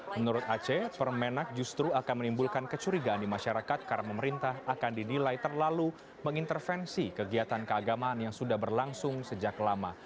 menurut aceh permenak justru akan menimbulkan kecurigaan di masyarakat karena pemerintah akan dinilai terlalu mengintervensi kegiatan keagamaan yang sudah berlangsung sejak lama